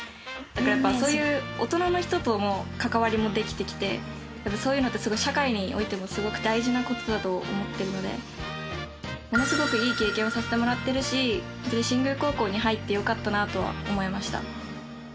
だからやっぱりそういう大人の人との関わりもできてきてそういうのって社会においてもすごく大事な事だと思ってるのでものすごくいい経験をさせてもらってるし新宮高校に入ってよかったなとは思いました。